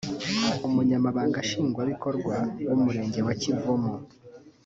Umunyamabanga nshingwabikorwa w’Umurenge wa Kivumu